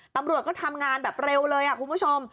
ตำรวจก็ทำงานแบบเร็วเลยคุณผู้ชม